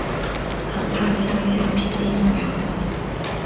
很怕像橡皮筋一样